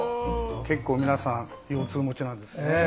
結構皆さん腰痛持ちなんですね。